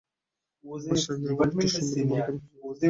তিন মাস আগে আমার একটি সম্পত্তির মালিকানা হস্তান্তরের কাজ করতে দিয়েছি।